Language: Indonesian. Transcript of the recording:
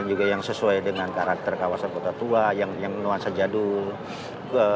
juga yang sesuai dengan karakter kawasan kota tua yang nuansa jadul